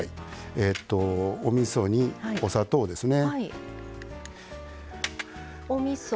おみそにお砂糖ですね。